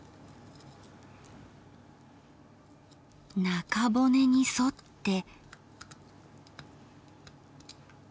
中骨に沿って。